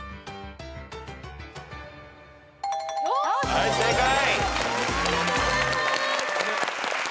はい正解。